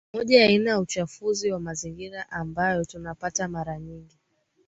moja ya aina ya uchafuzi wa mazingira ambayo tunapata mara nying